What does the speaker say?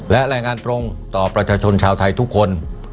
และรายงานตรงต่อประชาชนชาวไทยทุกคน